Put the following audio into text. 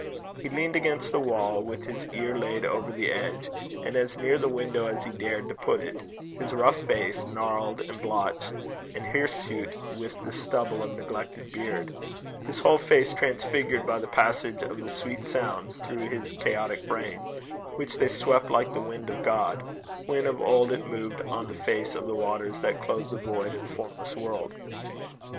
He leaned against the wall with his ear laid over the edge, and as near the window as he dared to put it, his rough face, gnarled and blotched, and hirsute with the stubble of neglected beard his whole ursine face transfigured by the passage of the sweet sounds through his chaotic brain, which they swept like the wind of God, when of old it moved on the face of the waters that clothed the void and formless world.